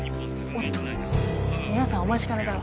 おっと皆さんお待ちかねだわ。